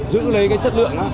giữ lấy cái chất lượng